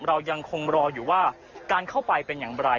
เรายังคงรออยู่ว่าการเข้าไปเป็นอย่างไร